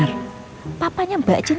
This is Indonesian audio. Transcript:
terima kasih pak jinn